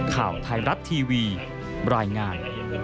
ข่าวไทยรัฐทีวีรายงาน